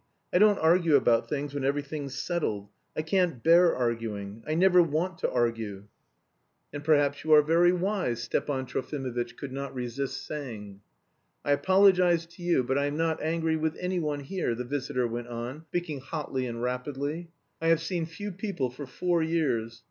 I don't argue about things when everything's settled. I can't bear arguing. I never want to argue...." "And perhaps you are very wise," Stepan Trofimovitch could not resist saying. "I apologise to you, but I am not angry with anyone here," the visitor went on, speaking hotly and rapidly. "I have seen few people for four years.